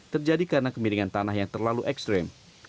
terjadi karena kemiringan tanah yang terlalu ekstrim